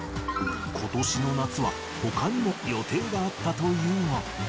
ことしの夏はほかにも予定があったというが。